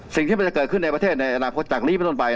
สิ่งที่มันจะเกิดขึ้นในประเทศในอนาคตจากนี้ไปต้นไป